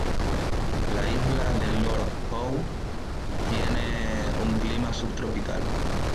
La isla de Lord Howe tiene un clima subtropical.